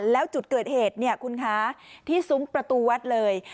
แล้วจุดเกิดเหตุเนี่ยคุณคะที่ซุ้มประตูวัดเลย